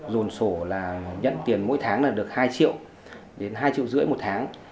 dồn sổ là nhận tiền mỗi tháng là được hai triệu đến hai triệu rưỡi một tháng